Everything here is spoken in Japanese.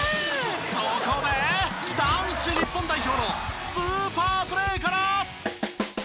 そこで男子日本代表のスーパープレーから！